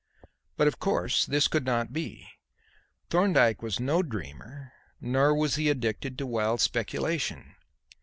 But this, of course, could not be. Thorndyke was no dreamer nor was he addicted to wild speculation.